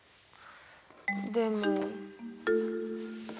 でも。